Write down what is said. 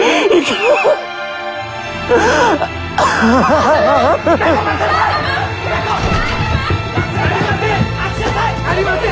なりません！